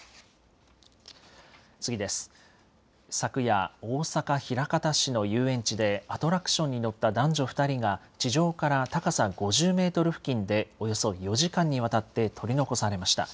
昨夜、大阪・枚方市の遊園地で、アトラクションに乗った男女２人が地上から高さ５０メートル付近で、およそ４時間にわたって取り残されました。